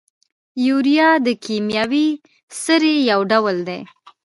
یوریا د کیمیاوي سرې یو ډول دی.